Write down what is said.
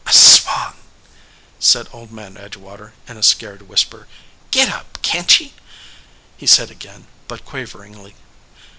"I swan !" said Old Man Edgewater, in a scared whisper. "Git up, can t ye?" he said again, but quaveringly.